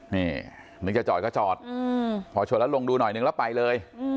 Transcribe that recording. นี่นึกจะจอดก็จอดพอชนแล้วลงดูหน่อยนึงแล้วไปเลย